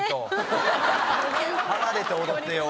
離れて踊ってよ。